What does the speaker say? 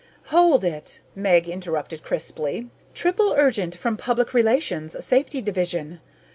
"Hold it," Meg interrupted crisply. "Triple urgent from Public Relations, Safety Division.